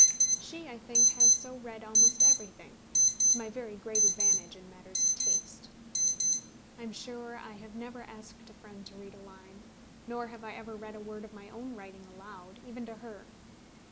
She, I think, has so read almost everything, to my very great advantage in matters of taste. I am sure I have never asked a friend to read a line; nor have I ever read a word of my own writing aloud, even to her.